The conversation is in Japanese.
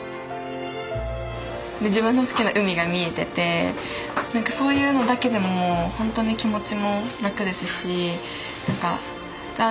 自分の好きな海が見えてて何かそういうのだけでもほんとに気持ちも楽ですし何かあ